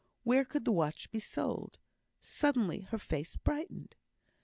Where could the watch be sold? Suddenly her face brightened.